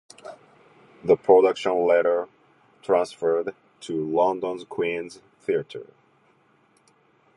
The production later transferred to London's Queen's Theatre.